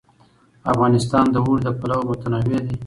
افغانستان د اوړي له پلوه متنوع دی.